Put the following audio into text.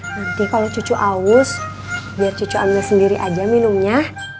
nanti kalau cucu aus biar cucu anda sendiri aja minumnya